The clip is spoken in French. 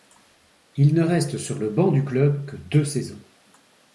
Il ne reste sur le banc du club que deux saisons.